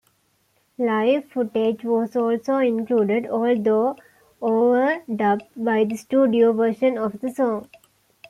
Live footage was also included, although overdubbed by the studio version of the song.